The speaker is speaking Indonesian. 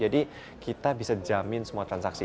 jadi kita bisa jamin semua transaksi